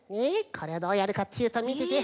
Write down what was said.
これをどうやるかっちゅうとみてて。